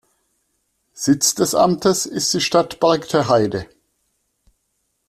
Sitz des Amtes ist die Stadt Bargteheide.